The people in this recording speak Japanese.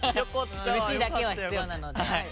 ＭＣだけは必要なので。